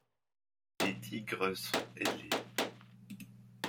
Les tiges sont ailées.